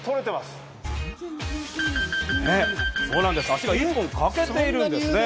脚が１本欠けているんですね。